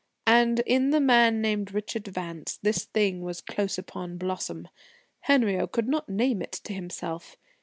And in the man named Richard Vance this thing was close upon blossom. Henriot could not name it to himself.